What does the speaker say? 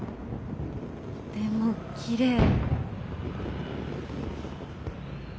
でもきれい。